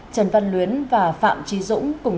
trần văn luyến và phạm trí dũng